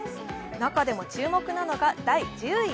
中でも注目なのが第１０位。